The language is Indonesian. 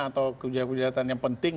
atau kebijakan kebijakan yang penting